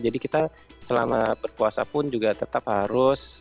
jadi kita selama berpuasa pun juga tetap harus mengetahui